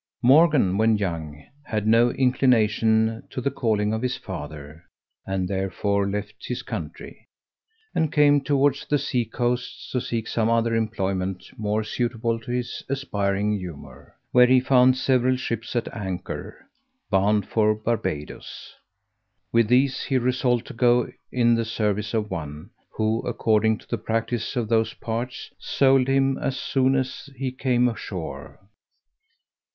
Morgan, when young, had no inclination to the calling of his father, and therefore left his country, and came towards the sea coasts to seek some other employment more suitable to his aspiring humour; where he found several ships at anchor, bound for Barbadoes. With these he resolved to go in the service of one, who, according to the practice of those parts, sold him as soon as he came ashore.